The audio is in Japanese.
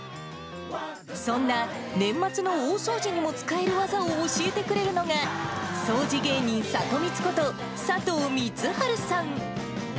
そんな年末の大掃除にも使える技を教えてくれるのが、掃除芸人サトミツこと佐藤満春さん。